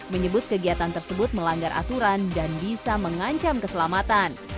menyebut kegiatan tersebut melanggar aturan dan bisa mengancam keselamatan